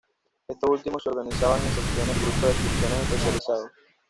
Estos últimos se organizaban en secciones y grupos de aficiones especializados.